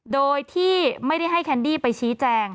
โดยที่ไม่ได้ให้แคนดี้ไปชี้แจง